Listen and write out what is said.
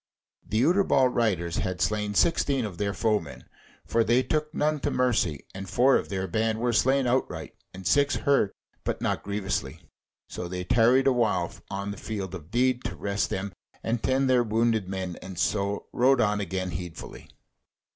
The Utterbol Riders had slain sixteen of their foemen; for they took none to mercy, and four of their band were slain outright, and six hurt, but not grievously. So they tarried awhile on the field of deed to rest them and tend their wounded men, and so rode on again heedfully.